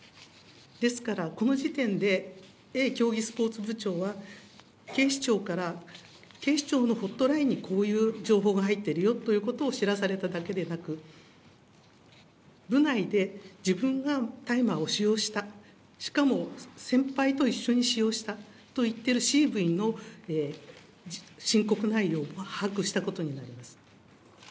ですから、この時点でＡ競技スポーツ部長は警視庁から警視庁のホットラインにこういう情報が入ってるよということを知らされただけでなく、部内で自分が大麻を使用した、しかも先輩と一緒に使用したと言ってるＣ部員の申告内容は把握したことになります。